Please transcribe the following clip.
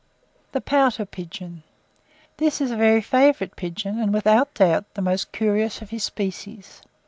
THE POUTER PIGEON. This is a very favourite pigeon, and, without doubt, the most curious of his species.